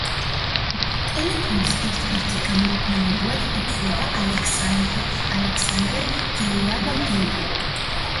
ტელეფონის ერთ-ერთ გამომგონებლად ითვლება ალექსანდერ გრეიამ ბელი.